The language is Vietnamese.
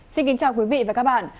xin kính chào quý vị và các bạn